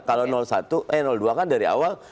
kalau dua kan dari awal